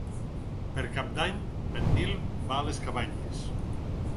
Per Cap d'Any en Nil va a les Cabanyes.